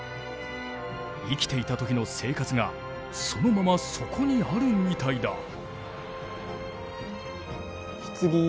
生きていた時の生活がそのままそこにあるみたいだ。